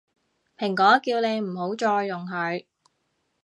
蘋果叫你唔好再用佢